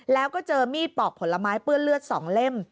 แล้วก็เจอมีดปอกผลไม้เปื้อนเลือด๒เล่ม